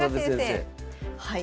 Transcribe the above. はい。